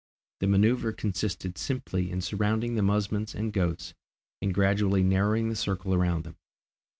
The manoeuvre consisted simply in surrounding the musmons and goats, and gradually narrowing the circle around them.